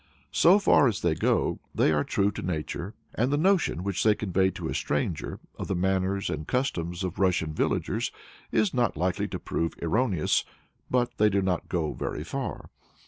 So far as they go they are true to nature, and the notion which they convey to a stranger of the manners and customs of Russian villagers is not likely to prove erroneous, but they do not go very far.